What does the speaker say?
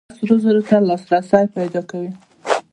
هغه سرو زرو ته لاسرسی پیدا کوي.